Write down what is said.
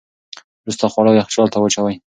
وروسته خواړه یخچال ته واچوئ.